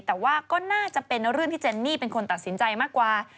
แต่ว่าก็น่าจะเป็นเรื่องที่เจนนี่เป็นคนตัดสินใจมากกว่า